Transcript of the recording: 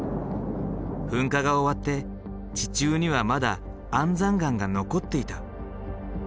噴火が終わって地中にはまだ安山岩が残っていた。